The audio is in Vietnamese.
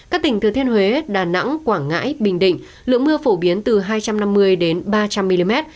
các tỉnh thừa thiên huế đà nẵng quảng ngãi bình định lượng mưa phổ biến từ hai trăm năm mươi đến ba trăm linh mm